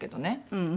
うん。